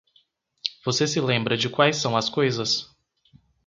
Você se lembra de quais são as coisas?